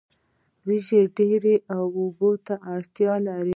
وریجې ډیرو اوبو ته اړتیا لري